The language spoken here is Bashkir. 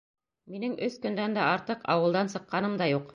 Минең өс көндән дә артыҡ ауылдан сыҡҡаным да юҡ.